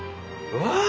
うわ！